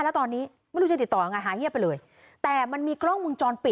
แล้วตอนนี้ไม่รู้จะติดต่อยังไงหายเงียบไปเลยแต่มันมีกล้องมุมจรปิด